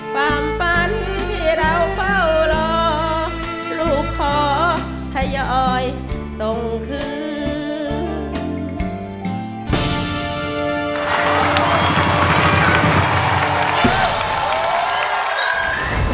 ฟังฟันที่เราเฝ้ารอลูกขอถ้าย้อยส่งคืน